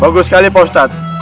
bagus sekali pak ustadz